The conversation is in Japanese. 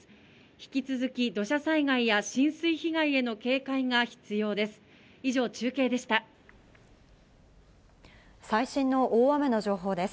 引き続き土砂災害や浸水被害への警戒が必要です。